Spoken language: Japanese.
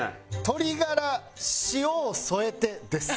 「鶏ガラ塩を添えて」です。